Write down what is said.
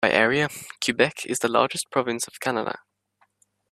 By area, Quebec is the largest province of Canada.